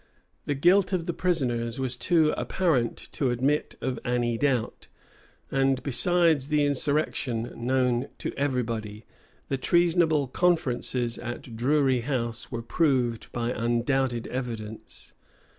The guilt of the prisoners was too apparent to admit of any doubt; and, besides the insurrection known to every body, the treasonable conferences at Drury House were proved by undoubted evidence.